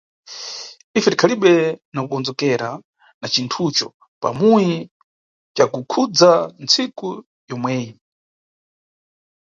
Ife tikhalibe na kukondzekera na cinthuco pamuyi ca kukhudza ntsiku yomweyi.